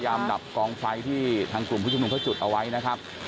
พยายามดับกองไฟที่ทางกลุ่มผู้จำนวนก็จุดเอาไว้นะครับ